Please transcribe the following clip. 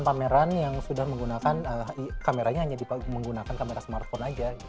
ada pameran pameran yang sudah menggunakan kameranya hanya menggunakan kamera smartphone saja